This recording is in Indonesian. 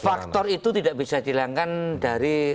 faktor itu tidak bisa dihilangkan dari